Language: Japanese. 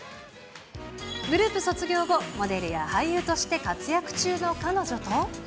グループ卒業後、モデルや俳優として活躍中の彼女と。